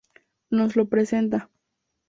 Nos los presenta.